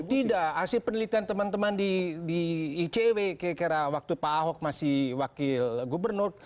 tidak hasil penelitian teman teman di icw kira kira waktu pak ahok masih wakil gubernur